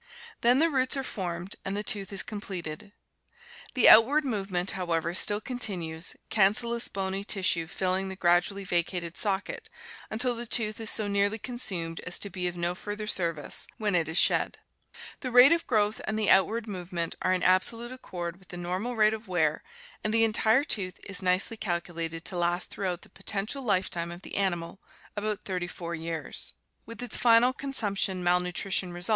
Then the roots are formed and the tooth is completed. The outward movement,, however, still continues, cancellous bony tissue filling the gradually vacated socket until the tooth is so nearly consumed as to be of no further service, when it is shed. The rate of growth and the out ward movement are in absolute accord with the normal rate of wear and the entire tooth is nicely calculated to last throughout the potential lifetime of the e+tavytel dentine cement ■ no turdl cavity Fro. 2ir.